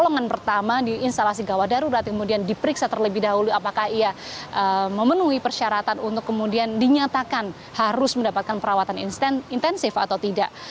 dan ini adalah pertolongan pertama di instalasi gawat darurat kemudian diperiksa terlebih dahulu apakah ia memenuhi persyaratan untuk kemudian dinyatakan harus mendapatkan perawatan intensif atau tidak